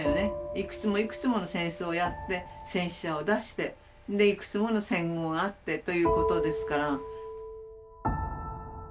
いくつもいくつもの戦争をやって戦死者を出してでいくつもの戦後があってということですから。